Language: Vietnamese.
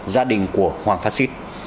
gia đình của hoàng phát xít